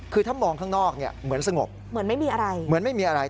คือเหมือนข้างนอกเหมือนสงบเหมือนไม่มีอะไร